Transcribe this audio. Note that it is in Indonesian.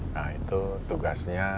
nah itu tugasnya